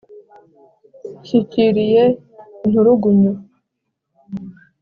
nshyikiriye inturugunyu